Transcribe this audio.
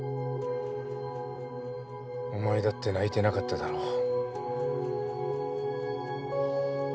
お前だって泣いてなかっただろ。